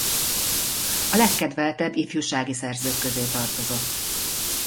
A legkedveltebb ifjúsági szerzők közé tartozott.